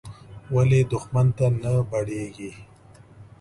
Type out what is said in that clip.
ولې دوښمن ته نه بړېږې.